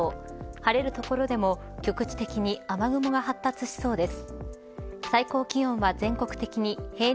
晴れる所でも、局地的に雨雲が発達しそうです。